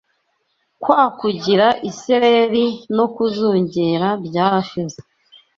Kwa kugira isereri no kuzungera byarashize